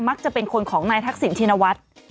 จะเป็นคนของนายทักษิณชินวัฒน์